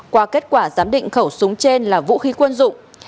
qua kết quả giám định khẩu súng trên là vũ khí quân dụng